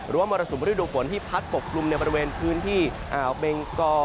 มรสุมฤดูฝนที่พัดปกกลุ่มในบริเวณพื้นที่อ่าวเบงกอ